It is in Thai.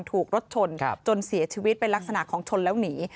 ถูกรถชนจนเสียชีวิตเป็นลักษณะของชนแล้วหนี